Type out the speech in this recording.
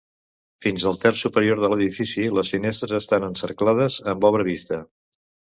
Fins al terç superior de l'edifici les finestres estan encerclades amb obra vista.